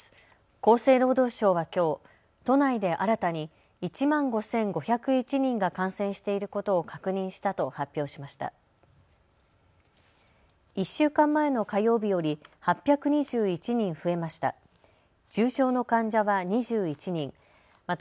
厚生労働省はきょう都内で新たに１万５５０１人が感染していることを確認したと発表しました。